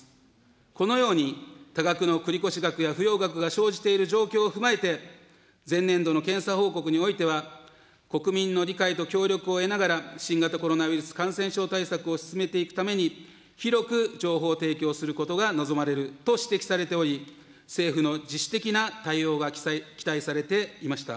このように多額の繰越額や不用額が生じている状況を踏まえて、前年度の検査報告においては、国民の理解と協力を得ながら、新型コロナウイルス感染症対策を進めていくために、広く情報提供することが望まれると指摘されており、政府の自主的な対応が期待されていました。